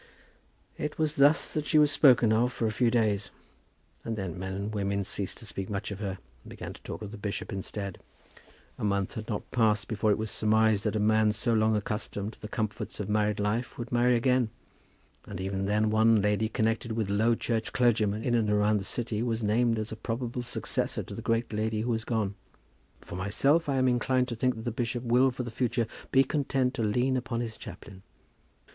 It was thus that she was spoken of for a few days; and then men and women ceased to speak much of her, and began to talk of the bishop instead. A month had not passed before it was surmised that a man so long accustomed to the comforts of married life would marry again; and even then one lady connected with low church clergymen in and around the city was named as a probable successor to the great lady who was gone. For myself, I am inclined to think that the bishop will for the future be content to lean upon his chaplain.